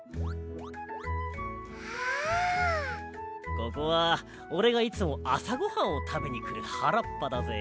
ここはおれがいつもあさごはんをたべにくるはらっぱだぜ。